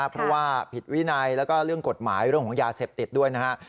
เพราะว่าผิดวินัยและเรื่องกฎหมายและยาเซ็ตติดด้วยนะฮะ